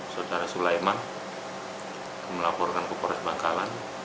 saudara sulaiman melaporkan ke polres bangkalan